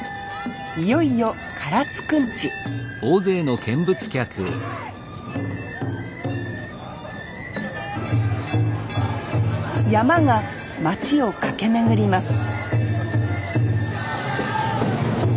いよいよ唐津くんち曳山が町を駆け巡ります